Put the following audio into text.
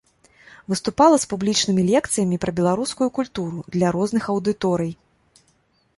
Выступала з публічнымі лекцыямі пра беларускую культуру для розных аўдыторый.